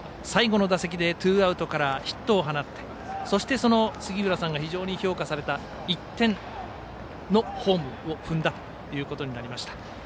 最後の打席でツーアウトからヒットを放ってそして杉浦さんが非常に評価された１点のホームを踏んだということになりました。